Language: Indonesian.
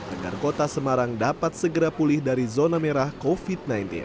agar kota semarang dapat segera pulih dari zona merah covid sembilan belas